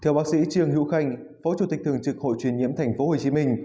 theo bác sĩ trương hữu khanh phó chủ tịch thường trực hội truyền nhiễm tp hcm